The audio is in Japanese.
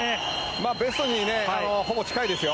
ベストにほぼ近いですよ。